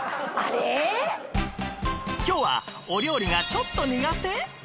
今日はお料理がちょっと苦手な若奥様